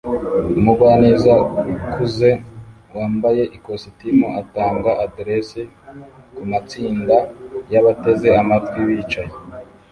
Umugwaneza ukuze wambaye ikositimu atanga adresse kumatsinda yabateze amatwi bicaye